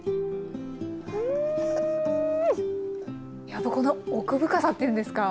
やっぱこの奥深さっていうんですか。